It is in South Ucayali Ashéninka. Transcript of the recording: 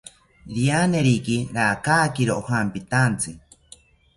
Irianeriki rakakiro ojampitaantzi